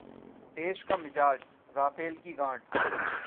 देश का मिजाजः राफेल की गांठ